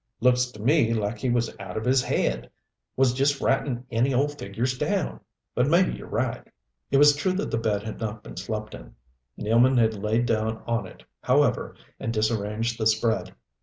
"Looks to me like he was out of his head was just writin' any old figures down. But maybe you're right." It was true that the bed had not been slept in. Nealman had lain down on it, however, and disarranged the spread.